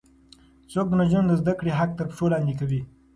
څوک د نجونو د زده کړې حق تر پښو لاندې کوي؟